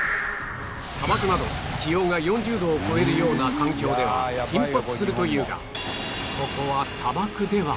砂漠など気温が４０度を超えるような環境では頻発するというが